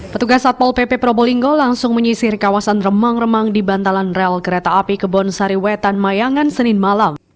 petugas satpol pp probolinggo langsung menyisir kawasan remang remang di bantalan rel kereta api kebonsariwetan mayangan senin malam